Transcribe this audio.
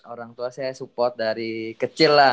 orang tua saya support dari kecil lah